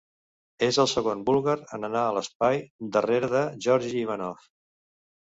És el segon búlgar en anar a l'espai, darrere de Georgi Ivanov.